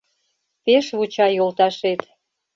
Пеш вуча йолташет.